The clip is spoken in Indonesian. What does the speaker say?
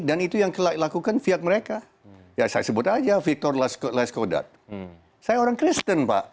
dan itu yang kelai lakukan fiat mereka ya saya sebut aja victor lascautat saya orang kristen pak